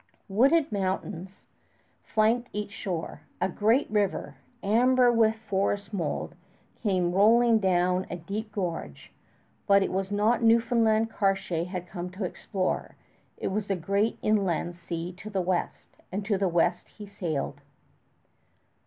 Wooded mountains flanked each shore. A great river, amber with forest mold, came rolling down a deep gorge. But it was not Newfoundland Cartier had come to explore; it was the great inland sea to the west, and to the west he sailed.